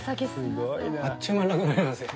あっちゅう間になくなりますよ。